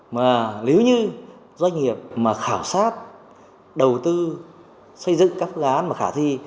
mà nếu như doanh nghiệp mà khảo sát đầu tư xây dựng các dự án mà khả thi